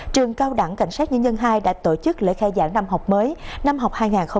trường cao đẳng cảnh sát nhân dân hai đã tổ chức lễ khai giảng năm học mới năm học hai nghìn hai mươi hai nghìn hai mươi